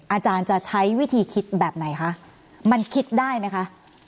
อาจารย์จะใช้วิธีคิดแบบไหนคะมันคิดได้ไหมคะ